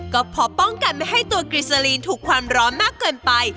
ก็พอป้องกันไม่ให้ตัวกรีซาลีนถูกความร้อนมากเกินไป